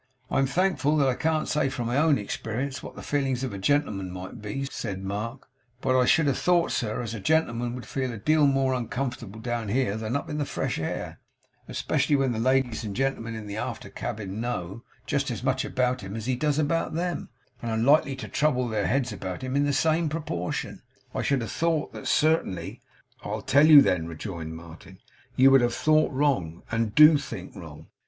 'I'm thankful that I can't say from my own experience what the feelings of a gentleman may be,' said Mark, 'but I should have thought, sir, as a gentleman would feel a deal more uncomfortable down here than up in the fresh air, especially when the ladies and gentlemen in the after cabin know just as much about him as he does about them, and are likely to trouble their heads about him in the same proportion. I should have thought that, certainly.' 'I tell you, then,' rejoined Martin, 'you would have thought wrong, and do think wrong.